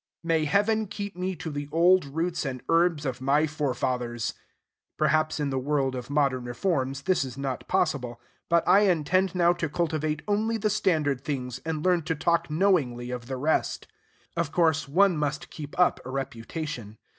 May Heaven keep me to the old roots and herbs of my forefathers! Perhaps in the world of modern reforms this is not possible; but I intend now to cultivate only the standard things, and learn to talk knowingly of the rest. Of course, one must keep up a reputation.